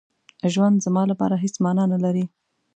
ژوند زما لپاره هېڅ مانا نه لري.